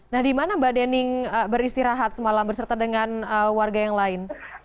nah di mana mbak dening beristirahat semalam berserta dengan warga yang lain